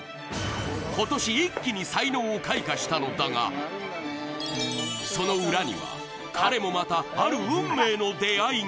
今年一気に才能を開花したのだが、その裏には、彼もまた、ある運命の出会いが。